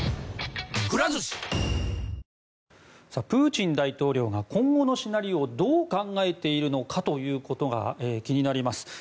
プーチン大統領が今後のシナリオをどう考えているのかということが気になります。